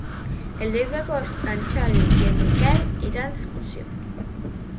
El deu d'agost en Xavi i en Miquel iran d'excursió.